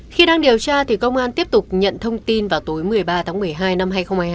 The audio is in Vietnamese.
khi đang điều tra thì công an tiếp tục nhận thông tin vào tối một mươi ba tháng một mươi hai năm hai nghìn hai mươi hai